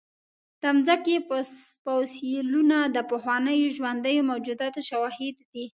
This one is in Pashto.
د مځکې فوسیلونه د پخوانیو ژوندیو موجوداتو شواهد دي.